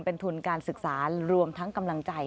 เป็นทุนการศึกษารวมทั้งกำลังใจ